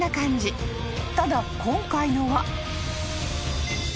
ただ今回のは］